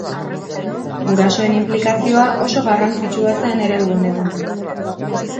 Gurasoen inplikazioa oso garrantzitsua zen eredu honetan.